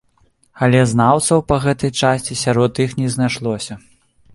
Але знаўцаў па гэтай часці сярод іх не знайшлося.